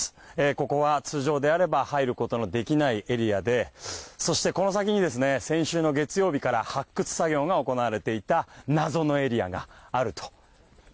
ここは通常であれば入ることができないエリアでこの先に、先週の月曜日から発掘作業が行われていた謎のエリアがあると。